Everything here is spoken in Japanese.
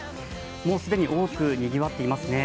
もう既に多く賑わっていますね。